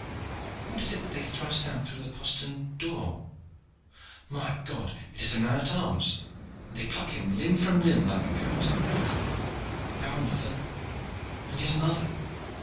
What is it that they thrust out through the postern door? My God! it is a man at arms, and they pluck him limb from limb like hounds on a wolf. Now another, and yet another.